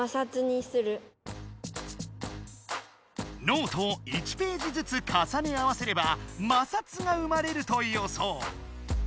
ノートを１ページずつかさね合わせれば摩擦が生まれるとよそう！